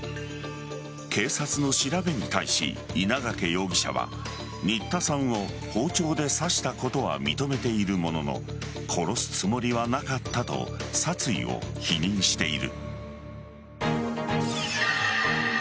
警察の調べに対し稲掛容疑者は新田さんを包丁で刺したことは認めているものの殺すつもりはなかったと殺意を否認している。